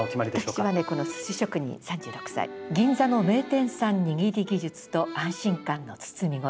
この「寿司職人３６歳銀座の名店産握り技術と安心感の包み声」